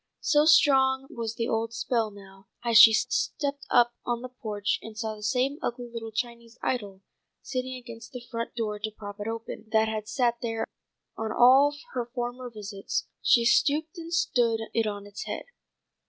So strong was the old spell now, that as she stepped up on the porch and saw the same ugly little Chinese idol sitting against the front door to prop it open, that had sat there on all her former visits, she stooped and stood it on its head.